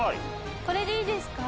これでいいですか？